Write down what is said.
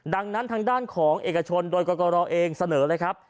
ดังนั้นทางด้านของเอกชนโดยกรกรเองเสนอเลยครับ